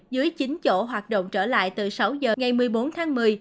dưới chín chỗ hoạt động trở lại từ sáu giờ ngày một mươi bốn tháng một mươi